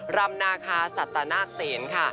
รำนาคาสัตนาคเซนค่ะ